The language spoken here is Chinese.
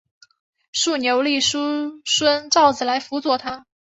竖牛立叔孙昭子来辅佐他。